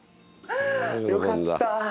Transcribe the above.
よかった！